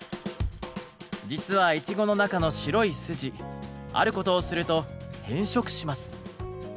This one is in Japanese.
実はイチゴの中の白い筋あることをすると変色します。